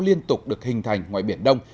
liên tục được hình thành ngoài biển đông